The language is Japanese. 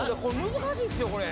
難しいっすよこれ。